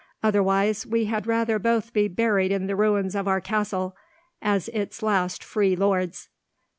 Otherwise we had rather both be buried in the ruins of our castle, as its last free lords."